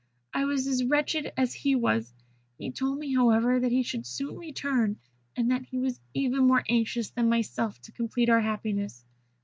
I was as wretched as he was. He told me, however, that he should soon return, and that he was even more anxious than myself to complete our happiness.